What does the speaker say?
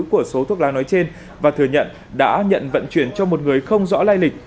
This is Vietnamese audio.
của số thuốc lá nói trên và thừa nhận đã nhận vận chuyển cho một người không rõ lai lịch